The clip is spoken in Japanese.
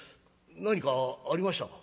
何かありましたか？」。